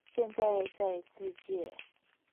現在在自介